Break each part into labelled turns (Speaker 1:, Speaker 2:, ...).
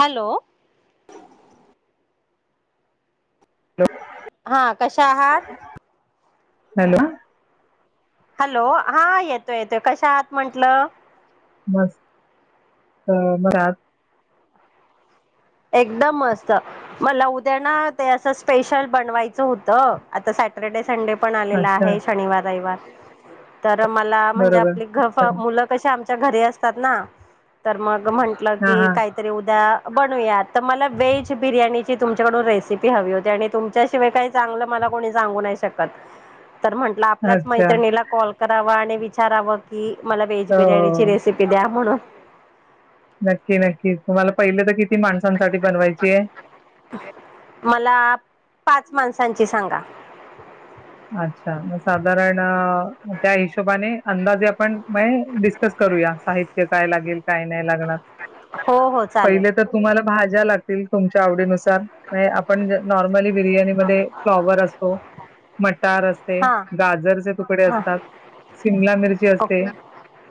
Speaker 1: Hello.
Speaker 2: Hello
Speaker 1: हा कशा आहात?
Speaker 2: हॅलो.
Speaker 1: हॅलो हा येतोय येतोय कशा आहात म्हंटलं.
Speaker 2: मस्त बर [unintelligible]
Speaker 1: एकदम मस्त, मला उद्या ना ते असं स्पेशल बनवायचं होतं आता सॅटरडे, संडे पण आलेला
Speaker 2: अच्छा
Speaker 1: आहे शनिवार रविवार तर मला म्हणजे
Speaker 2: बरोबर
Speaker 1: आपली गप्पा
Speaker 2: पण
Speaker 1: मुलं कशी आप च्या घरी असतात ना तर मग म्हंटलं
Speaker 2: हा
Speaker 1: की
Speaker 2: हा
Speaker 1: काहीतरी उद्या मला वेज बिर्याची तुमच्याकडून रेसिपी हवी होती आणि तुमच्यािवाय काही चांगलं मला कोणी सांगू नाही शकत तर म्हटल आपल्याच
Speaker 2: अच्छा
Speaker 1: मैत्रिला कॉल करावा आणि विचाराव की मला व्हेज
Speaker 2: हो
Speaker 1: बिर्याणीची
Speaker 2: हो
Speaker 1: रेसिपी द्या म्हणून.
Speaker 2: नक्की नक्की तुम्हाला पहिलं तर किती ती माणसांसाठी बनवायची आहे.
Speaker 1: सची सांगा.
Speaker 2: अच्छा मग साधारण त्या हिशोबाने अंदाजे आपण डिस्कस क करूया साहित्य काय लागेल काय नाही लागणार.
Speaker 1: हो हो चालेल.
Speaker 2: पहिले तर तुम्हाला भाज्या लागतील तुमच्या आवडीनुसार आपण नॉर्मली बिर्याणी मध्ये फ्लॉवर असतो, मटार असते,
Speaker 1: हां
Speaker 2: गाजरचे तुकडे
Speaker 1: हां
Speaker 2: असतात, शिमला मिरची
Speaker 1: ओके
Speaker 2: असते.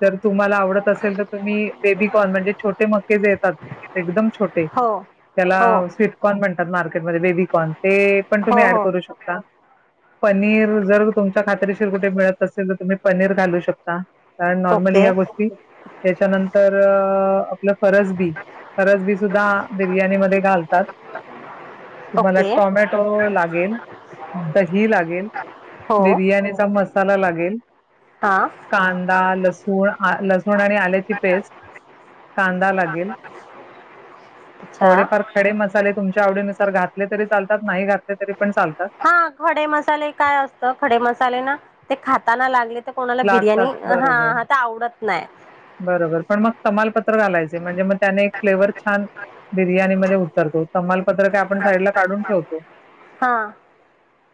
Speaker 2: जर तुम्हाला आवडत असेल तर तुम्ही बेबिकॉन म्हणजे छोटे मकेज येतात एकदम छोटे
Speaker 1: हो
Speaker 2: त्याला
Speaker 1: हो
Speaker 2: स्वीटकॉर्न म्हणतात. मार्केट म बेबीकॉन ते पण
Speaker 1: हो
Speaker 2: तुम्ही ऍड
Speaker 1: हो
Speaker 2: करू शकता पनीर जर तुमच्या खात्रीशीर कुठे मिळत असेल तर तुम्ही पनीर घालू शकता कारण नॉर्मली
Speaker 1: ओके
Speaker 2: ह्या गोष्टी त्याच्यानंतर आपलं फरज बी करस बी सुद्धा बिर्याणी म घालतात तुम्हाला
Speaker 1: ओके
Speaker 2: टॉमॅटो लागेल ही लागेल
Speaker 1: हो
Speaker 2: बिर्याणीचा मसाला लागेल
Speaker 1: हां
Speaker 2: कांदा लसूण लसूण आणि आल्याची पेस्ट
Speaker 1: कांदा
Speaker 2: थोडेफार खडे मसाले तुमच्या आवडीनुसार घातले तरी चालतात नाही घातले तरी पण चालतात
Speaker 1: हां खडे मसाले काय असत खडे मसाले ना ते खाताना लागले कोणाला बिर्याणी
Speaker 2: लागतात बरोबर,
Speaker 1: हा तर आवडत नाही
Speaker 2: बरोबर पण मग कमालपत्र घालायचे म्हणजे मग त्याने एक फ्लेवर छान बिर्याणी म तो तमालपत्र का आपण साईडला काढून ठेवतो
Speaker 1: हां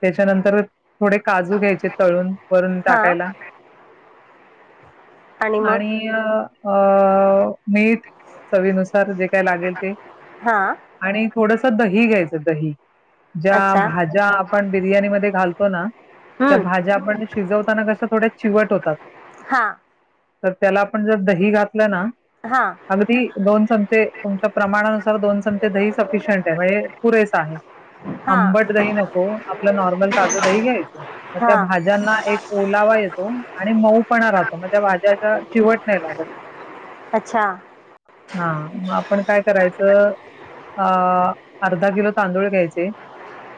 Speaker 2: त्याच्यानंतर थोडे काजू घ्यायचे तळून वरून टाकायला
Speaker 1: हां आणि मग
Speaker 2: अ मीठ चवीनुसार जे काय लागेल ते
Speaker 1: हां
Speaker 2: आणि थोडस दही घ्यायचं दही ज्या
Speaker 1: अच्छा
Speaker 2: भाज्या आपण बिर्याणी म घालतो ना त्या
Speaker 1: हम्म
Speaker 2: भाज्या आपण शिजवताना कशा थोड्या चिवट होतात
Speaker 1: हां
Speaker 2: तर त्याला आपण जर दही घातलं ना
Speaker 1: हां
Speaker 2: अगदी दोन चमचे तुमच्या प्रमाणानुसार दोन चमचे दही सफिशियंट आहे म्हणजे पुरे आहे
Speaker 1: हां
Speaker 2: आंबट दही नको आपलं नॉर्मल ताजं दही घ्यायचं तर त्या
Speaker 1: हां
Speaker 2: भाज्यांना एक ओलावा आणि म पणा राहतो म्हणज्याच्या शेवट नाही लागत
Speaker 1: अच्छा
Speaker 2: हा आपण काय करायचं अ अर्धा किलो तांदूळ घ्यायचे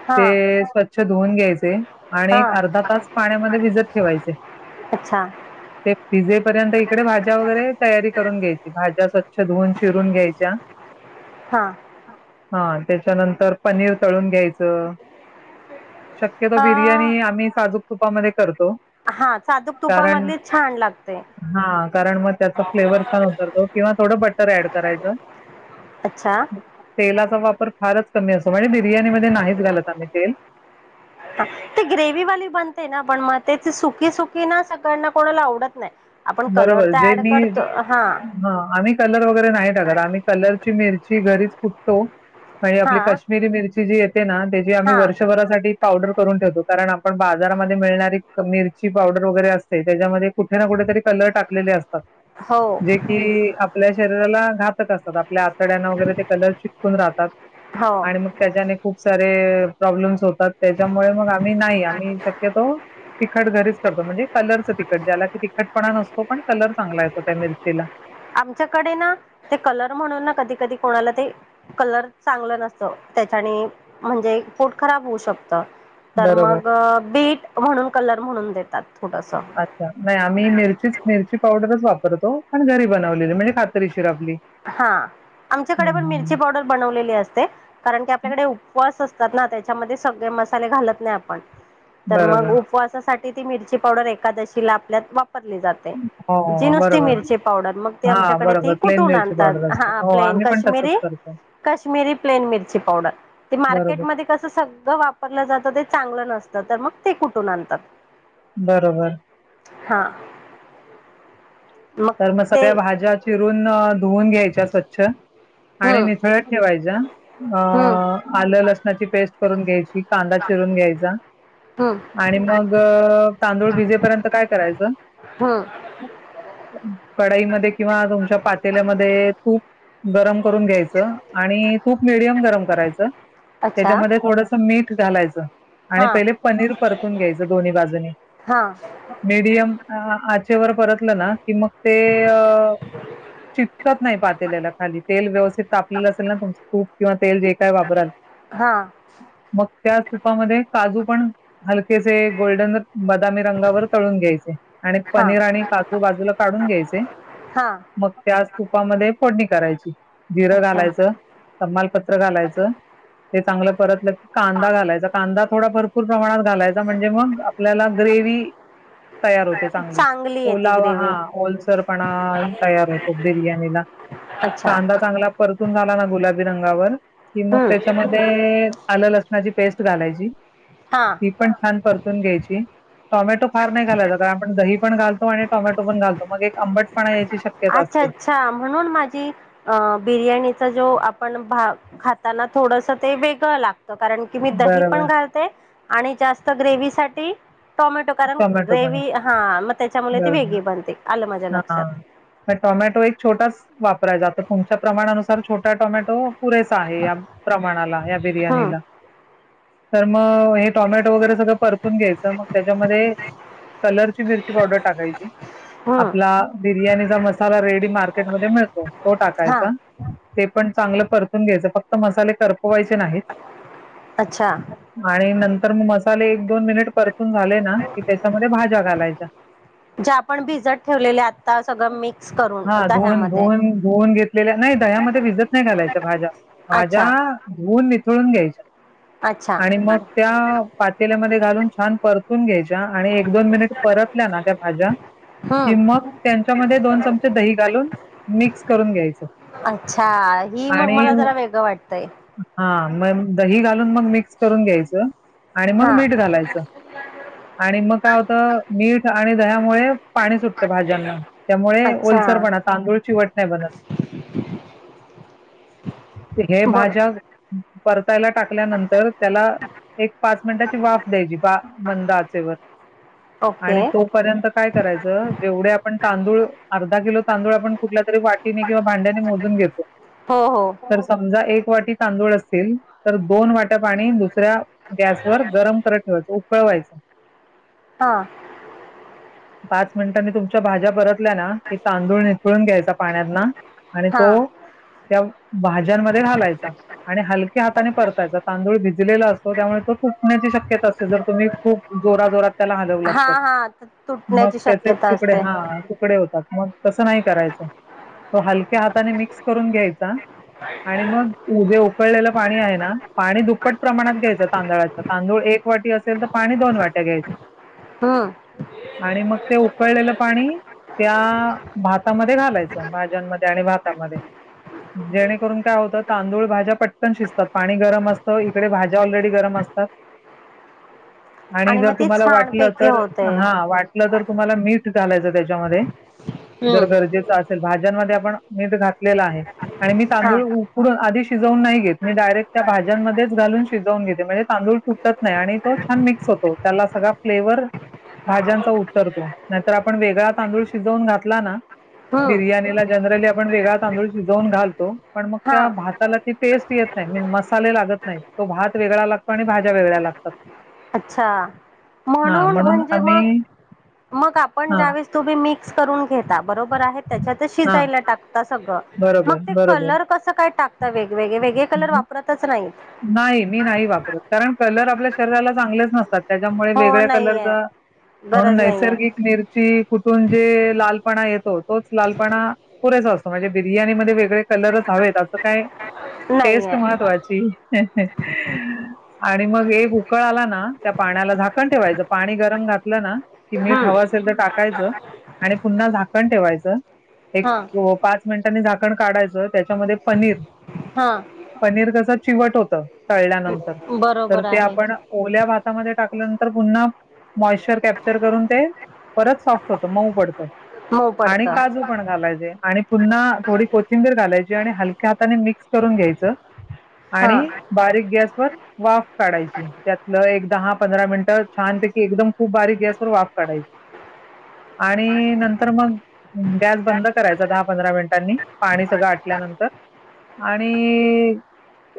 Speaker 1: हां
Speaker 2: ते स्वच्छ धुवून घ्यायचे आणि
Speaker 1: हां
Speaker 2: अर्धा तास पाण्यामध्ये भिजत ठेवायचे
Speaker 1: अच्छा
Speaker 2: ते वििजेपर्यंत तिकडे भाज्या वगैरे तयारी करून घ्यायची भाज्या स्वच्छ धुवून शिरून घ्यायच्या
Speaker 1: हां
Speaker 2: हा त्याच्यानंतर पनीर तळून घ्यायचं शक्यतो बिर्याणी आम्ही साजूक तुपामध्ये करतो
Speaker 1: हा चादूक
Speaker 2: कारण
Speaker 1: तुपामधली छान लागते
Speaker 2: हा कारण मग त्याचा फ्लेवर छान होतरतो किंवा थोडं बटर ऍड करायचं
Speaker 1: अच्छा
Speaker 2: तेलाचा वापर फारच क म्हणजे बिर्याणी म नाहीच घालत आम्ही तेल
Speaker 1: ते ग्रेववाली बनते ना पण मग ते सुकी सुकी ना सगळ्यांना कोणाला आवडत नाही आपण कलर
Speaker 2: बरोबर
Speaker 1: तर
Speaker 2: जे
Speaker 1: ॲड
Speaker 2: मी
Speaker 1: करतो हां
Speaker 2: हा आम्ही कलर वगैरे नाही टाकत आम्ही कलरची मिरची घरीच फटतो आणिे आपली
Speaker 1: हां
Speaker 2: काश्मीरी मिरची जी येत ना त्याची आम्ही
Speaker 1: हां
Speaker 2: वर्षभरासाठी पावडर करून ठेवतो कारण आपण बाजारामध्ये मिळणारी मिरची पावडर वगैरे असते त्याच्यामध्ये कुठे ना कुठेेतरी कलर टाकले असते
Speaker 1: हो
Speaker 2: जे कि आपल्या शरीराला घातक आपल्या आतड वगैरे कलर चटकून राहतात
Speaker 1: हो
Speaker 2: आणि मग त्याच्याने खूप सारे प्रॉब्लेम्स होतात त्याच्यामुळे मग आम्ही नाही आम्ही शक्यतो तिखट घरीच करतो म्हणजे कलरचं तिकखट ज्याला त तिखटपणा नसतो पण कलर चांगला येतो त्या मिरचीला.
Speaker 1: आमच्याकडे ना ते कलर म्हणून ना कधी कधी कोणाला ते कलर चांगलं नसतं त्याच्याने म्हणजे पोट खराब होऊ शकत तर
Speaker 2: बरोबर.
Speaker 1: मग बीट म्हणून कलर म्हणून देतात थोडंसं
Speaker 2: अच्छा नाही आम्ही मिरचीच मिरची पावडरच वापरतो पण घरी बनवलेली म्हणजे खात
Speaker 1: हा आमच्याकडे पण
Speaker 2: हम्म.
Speaker 1: मिरची पावडर बनवलेली असते. कारण की आपल्याकडे उपवास अस त्याच्यामध्ये सगळे मसाले घालत नाही आपण तर मग
Speaker 2: बरोबर
Speaker 1: उपवासासाठी ती मिरची पावडर एकादशीला आपल्यात [unintelligible] जाते
Speaker 2: हो हो.
Speaker 1: नुसती
Speaker 2: बरोबर
Speaker 1: मिरची पावडर मग ते
Speaker 2: हा
Speaker 1: आमच्याकडे
Speaker 2: बरोबर प्लेन
Speaker 1: कुूठून
Speaker 2: मिरची
Speaker 1: आणतात.
Speaker 2: पावडर असते
Speaker 1: हा
Speaker 2: हो
Speaker 1: प्लेन
Speaker 2: आम्ही पण
Speaker 1: कश्मीरी
Speaker 2: तसंच करतो.
Speaker 1: काश्मीरी प्लेन मिरची पावडर ते
Speaker 2: बरोबर.
Speaker 1: मार्केटमध्येध्ये कस सगळं वापरलं जातं ते चांगलं नसतं. तर मग ते कुठून आणतात.
Speaker 2: बरोबर.
Speaker 1: हा
Speaker 2: तर मग सगळ्या भाज्या चिरून धुवन घ्यायच्या स्वच्छ. आणि
Speaker 1: हम्म
Speaker 2: निथळत ठेवायच्या
Speaker 1: हम्म
Speaker 2: आलं लसणाची पेस्ट करून घ्यायची कांदा. चिरून घ्यायचा.
Speaker 1: हम्म
Speaker 2: आणि मग तांदूळ भिजेपर्यंत काय करायचं.
Speaker 1: हम्म
Speaker 2: कडाईमध्ये किंवा तुमच्या पातेल्यामध्ये तूप गरम करून घ्यायच आणि तूप मिडियम गरम करायचं
Speaker 1: अच्छा
Speaker 2: त्याच्यामध्ये थोडस मीठ घालायचं. आणि
Speaker 1: हां
Speaker 2: पहिले पनीर परतून घ्यायचं दोन्ही बाजून
Speaker 1: हां
Speaker 2: मेडियम परतलं ना कि मग ते चिटकत नाही पातेल्याला खाली तेल व्यवस्थित तापलेलं असेल ना तुमच तूप किंवा तेल जे काय वापराल
Speaker 1: हां
Speaker 2: मग त्या तूपामध्ये काजू पण हलकेसे गोल्डन बदामी रंगावर तळून घ्यायचे आणि
Speaker 1: हां
Speaker 2: पनीर आणि काजू बाजूला घ्यायचे
Speaker 1: हां
Speaker 2: मग त्या तुपामध्ये फोडनी करायची. जिरं
Speaker 1: अच्छा
Speaker 2: घालायचं, तमालपत्र घालायचं. ते चांगलं परतलं कांदा घालायचा कांदा थोडा भरपूर प्रमाणात घालायचा म्हणजे मग आपल्याला ग्रेवी तयार होते चांगली
Speaker 1: येते
Speaker 2: ओलावा
Speaker 1: ग्रेवी
Speaker 2: हा. ओलसरपणा तयार होतो बिर्यानीला
Speaker 1: अच्छा
Speaker 2: कांदा चांगला परतून झाला गुलाबी रंगावर कि मग
Speaker 1: हम्म
Speaker 2: त्याच्यामध्ये आलं लसणाची पेस्ट घालायची.
Speaker 1: हां
Speaker 2: ती पण छान परतून घ्यायची टोमॅटो फार नाही घालायचा कारण आपण दही पण घालतो आणि टोमॅटो पण घालतो मग एक आंबट पण येतो.
Speaker 1: अच्छा अच्छा म्हणून माझी अ बिर्याणी ज आपण खाताना थोडंसं ते वेगळ लागतं. कारण की मी दही पण
Speaker 2: बरोबर
Speaker 1: घालते आणि जास्त ग्रेवी साठी टोमॅटो कारण
Speaker 2: टोमॅटो पण
Speaker 1: ग्रेवी हा मग त्याच्यामुळे ती
Speaker 2: बरोबर.
Speaker 1: वेगळी बनते आलं माझ्या लक्षात.
Speaker 2: म टोमॅटो एक छोटाच वापरायचा आता तुमच्या प्रमाणानुसार छोटा टोमॅटो पुरेसा आहे या प्रमाणाला या
Speaker 1: हम्म
Speaker 2: बिर्याणीला तर मग हे टोमॅटो वगैरे सगळं परतून घ्यायच मग त्याच्यामध्ये कलर. मिरची पावडर टाकायची.
Speaker 1: हम्म
Speaker 2: आपला बिर्याणीचा मसाला रेडी मार्केटमध्ये मिळतो तो
Speaker 1: हा
Speaker 2: टाकायचा ते पण चांगलं परतून घ्यायचं फक्त मसाले करपवायचे नाहीत.
Speaker 1: अच्छा
Speaker 2: आणि नंतर मग मसाले एक दोन मिनिट परतून झाले ना की त्याच्यामध्ये भाज्या घालायच्या.
Speaker 1: जे आपण भिजत ठेवलेले आता सगळं मिक्स करून
Speaker 2: हां, धुवून
Speaker 1: दह्यामध्ये?
Speaker 2: धुवून धुवून घेतलेल्या नाही दह्यामध्ये भिजत नाही घालायच्या भाज्या, भाज्या
Speaker 1: अच्छा
Speaker 2: धुवन ळून घ्यायच्या
Speaker 1: अच्छा
Speaker 2: आणि मग त्या पातेल्यामध्ये घालून छान परतून घ्यायच्या आणि एक दोन मिनिट परतल्या ना त्या भाज्या कि
Speaker 1: हम्म
Speaker 2: मग त्यांच्यामध्ये दोन चमचे दही घालून मिक्स करून घ्यायचं.
Speaker 1: अच्छा हि मग मला जरा वेगळं वाटतंय.
Speaker 2: हा मग दही घालून मग मिक्स करून घ्यायचं आणि मग
Speaker 1: हा
Speaker 2: मीठ घालायचं.
Speaker 1: [inaudible]
Speaker 2: आणि मग काय होतं मीठ आणि दह्यामुळे पाणी सुटतं भाज्यांना त्यामुळे
Speaker 1: अच्छा
Speaker 2: ओलसर पणा तांदूळ चीवट ये बघा.
Speaker 1: [unintelligible]
Speaker 2: हे
Speaker 1: बरं
Speaker 2: भाज्या परतायला टाकल्यानंतर त्याला एक पाच मिनिटाची वाफ द्यायची बा मंद आचेवर
Speaker 1: ओके
Speaker 2: आणि तोपर्यंत काय करायचं जेवढे आपण तांदूळ अर्धा किलो तांदूळ आपण कुठल्या तरी वाटीने किंवा भांड्याने मोजून घेतो
Speaker 1: हो हो
Speaker 2: तर समजा एक वाटी तांदूळ असतील तर दोन वाट्या पाणी दुसऱ्या गॅस वर गरम करत ठेवायच उकळ वायच.
Speaker 1: हा
Speaker 2: पाच मिनिटां मी तुमच्या भाज्या परतल्या ना की तांदूळ निसळून घ्यायचा पाण्यातना आणि
Speaker 1: हा
Speaker 2: तो त्या भाज्यांमध्ये हालायचा आणि हलके हाताने परतायचा तांदूळ भिजलेला असतो त्यामुळे तो तुटण्याची शक्यता असते जर तुम्ही खूप जोरा जोरत त्याला हलवला तर
Speaker 1: हा
Speaker 2: लागतात
Speaker 1: हा
Speaker 2: मग
Speaker 1: तुटण्याची
Speaker 2: त्याचेच
Speaker 1: शक्यता
Speaker 2: तुकडे
Speaker 1: असते
Speaker 2: हा तुकडे होतात. मग तसं नाही करायचं तो हलक्या हाताने मिक्स करून घ्यायचा आणि मग उकळलेलं पाणी आहे ना पाणी दुप्पट प्रमाणात घ्यायचं तांदळाच तांदूळ एक वाटी अस तर पाणी दोन वाट्या घ्यायच
Speaker 1: हम्म.
Speaker 2: आणि मग ते उकळलेलं पाणी त्या भातामध्ये घालायचं भाज्यांमध्ये आणि भातामध्ये जेणेकरून काय होतं तांदूळ भाज्या पट्टन शिजतात पाणी गरम असतं इकडे भाज्या ऑलरेडी गरम अस असतात.
Speaker 1: [unintelligible]
Speaker 2: आणि जर
Speaker 1: मग ती
Speaker 2: तुम्हाला वाटलं
Speaker 1: छानपैकी
Speaker 2: तर
Speaker 1: होते
Speaker 2: हा वाटलं तर तुम्हाला मीठ घालायचं त्याच्यामध्ये जर
Speaker 1: हम्म
Speaker 2: गरजेच असेल भाजीत आपण मीठ घातले आहे आणि मी
Speaker 1: हा
Speaker 2: तांदूळ उकडून आधीच शिजवून नाही घेत मी डायरेक्ट त्या भाज्यांमध्येच घालून शिजवून घेते म्हणजे तांदूळ तुटत नाही आणि तो छान मिक्स होतो त्याला सगळा फ्लेवर भाज्यांचा उत्तरतो नाहीतर आपण वेगळा तांदूळ शिजवून घातला ना
Speaker 1: हम्म
Speaker 2: बिर्याणीला जनरली आपण वेगळा तांदूळ शिजवून घालतो पण मग
Speaker 1: हा
Speaker 2: त्या भाताला ते टेस्ट येत नाही मीन मसाले लागत नाही तो भात वेगळा लागतो आणि भाज्या वेगळ्या लागतात.
Speaker 1: अच्छा
Speaker 2: हां
Speaker 1: म्हणून म्हणजे
Speaker 2: आम्ही
Speaker 1: मग मग आपण
Speaker 2: हां
Speaker 1: ज्या वळे तुम्ही मिक्स करून घेता बरोबर आहे त्याच्यात
Speaker 2: हां
Speaker 1: शिजयला टाकता सगळ मग
Speaker 2: बरोबर,
Speaker 1: ते
Speaker 2: बरोबर.
Speaker 1: कलर कसं काय टाकत वेगवेगळे वेगळे
Speaker 2: हं,
Speaker 1: कलर
Speaker 2: हं.
Speaker 1: वापरतच नाही?
Speaker 2: नाही मी नाही वापरत कारण कलर आपल्या शरीराला चांगलेच नसतात त्याच्यामुळे
Speaker 1: हो
Speaker 2: वेगळ्या
Speaker 1: नाहीये
Speaker 2: कलरचा म्हणून
Speaker 1: गरज नाहीये
Speaker 2: नैसर्गिक मिरची कुठून जे लालपणा येतो तोच लालपणा पुरेसा असतो म्हणजे बिर्याणी मध्ये वेगळे कलरच हवे त्याचं काय टेस्ट
Speaker 1: नाहीये
Speaker 2: महत्वाची आणि मग एक उकळ आला ना त्या पाण्याला झाकण ठेवायचं पाणी गरम घातलं ना की मीठ हव
Speaker 1: हम्म
Speaker 2: असेल तर टाकायचं आणि पुन्हा झाकण ठेवायचं एक
Speaker 1: हा
Speaker 2: पाच मिनिटांनी झाकण काढायचं त्याच्यामध्ये पनीर
Speaker 1: हा
Speaker 2: पनीर तस चिवट होत तळल्यानंतर
Speaker 1: बरोबर
Speaker 2: ते
Speaker 1: आहे
Speaker 2: आपण ओल्या भातामध्ये टाक ल्यानंतर पुन्हा मॉइश्चर कॅप्चर करून ते परत सॉफ्ट होतं मऊ पडतं
Speaker 1: मऊ
Speaker 2: आणि
Speaker 1: पडतं
Speaker 2: काजू पण घालायचे. आणि पुन्हा थोडी कोथिंबीर घालायची आणि हलक्या हाताने मिक्स करून घ्यायचं
Speaker 1: हा
Speaker 2: आणि बारीक गॅसवरर वाफ काढायची त्यातलं एक दहा पंधरा मिनिटं छानपैकी एकदम खूप बारीक गॅस वर वाफ काढायची
Speaker 1: [unintelligible]
Speaker 2: आणि नंतर मग गॅस बंद करायचा दहा पंधरा मिनिटांनी पाणी सगळं आठ ल्या तर आणि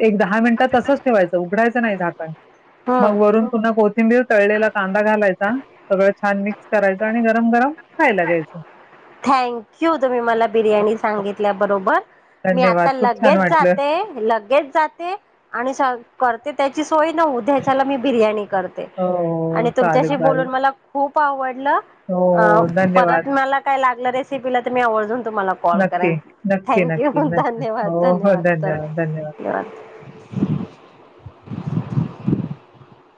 Speaker 2: एक दहा मिनिटात तसंच ठेवायचं उघडायचं नाही झाकण
Speaker 1: हम्म
Speaker 2: मग वरून पुन्हा कोथिंबीर तळलेला कांदा घालायचा सगळं छान मिक्स करायचं आणि गरम गरम खायला घ्यायचं
Speaker 1: थँक यू तुम्ही मला बिर्याणी सांगितल्याबरोबर मी
Speaker 2: धन्यवाद,
Speaker 1: आता
Speaker 2: खूप छान
Speaker 1: लगेच
Speaker 2: वाटलं.
Speaker 1: जाते लगेच जाते आणि करते त्याची सोय न्याच्या मी बिर्याणी करते
Speaker 2: हो, हो,
Speaker 1: आणि
Speaker 2: चालेल,
Speaker 1: तुमच्याशी बून
Speaker 2: चालेल.
Speaker 1: मला खूप आवड
Speaker 2: हो, हो, धन्यवाद.
Speaker 1: परत मला काय लालं रेसिीलाी आवड तुम्हाला कॉल
Speaker 2: नक्की,
Speaker 1: करेन
Speaker 2: नक्की, नक्की,
Speaker 1: थँक्यू
Speaker 2: नक्की.
Speaker 1: धन्यवाद
Speaker 2: हो, हो,
Speaker 1: धन्यवाद न्य
Speaker 2: धन्यवाद.
Speaker 1: धन्यवाद